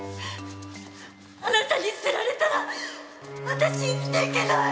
あなたに捨てられたら私生きていけない！